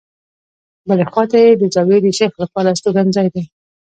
بلې خواته یې د زاویې د شیخ لپاره استوګنځای دی.